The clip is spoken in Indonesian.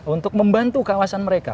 untuk membantu kawasan mereka